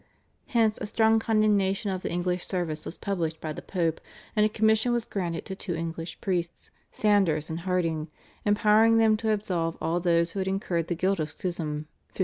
Hence a strong condemnation of the English service was published by the Pope, and a commission was granted to two English priests, Sanders and Harding, empowering them to absolve all those who had incurred the guilt of schism (1566).